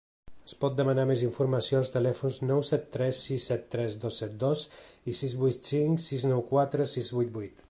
Es pot demanar més informació als telèfons nou set tres sis set tres dos set dos i sis vuit cinc sis nou quatre sis vuit vuit.